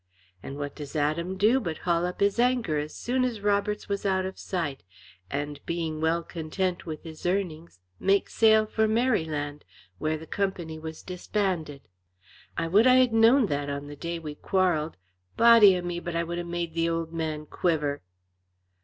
And what does Adam do but haul up his anchor as soon as Roberts was out of sight, and, being well content with his earnings, make sail for Maryland, where the company was disbanded. I would I had known that on the day we quarrelled. Body o' me, but I would have made the old man quiver.